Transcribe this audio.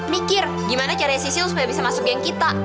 mikir gimana caranya cicil supaya bisa masuk yang kita